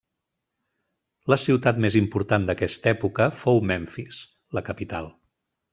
La ciutat més important d'aquesta època fou Memfis, la capital.